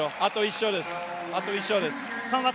あと１勝です。